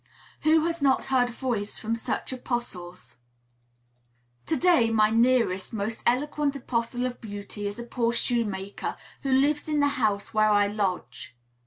Who has not heard voice from such apostles? To day my nearest, most eloquent apostle of beauty is a poor shoemaker, who lives in the house where I lodge.